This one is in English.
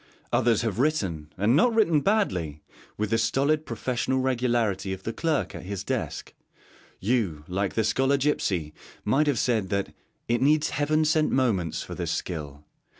Others have written, and not written badly, with the stolid professional regularity of the clerk at his desk; you, like the Scholar Gipsy, might have said that 'it needs heaven sent moments for this skill.'